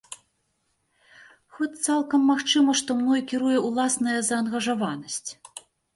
Хоць, цалкам магчыма, што мной кіруе ўласная заангажаванасць.